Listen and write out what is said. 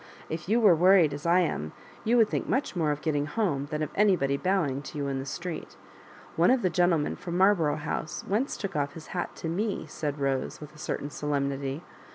If you were worried as I am, you would think much more of getting home than of anybody bowing to you in the street One of the gentle* men from Marlborough House once took off his hat to me,'' said Bose with a certain solemnity.